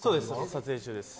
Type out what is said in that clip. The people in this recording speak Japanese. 撮影中です。